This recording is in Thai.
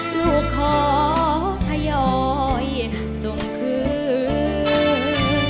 ลูกขอทยอยส่งคืน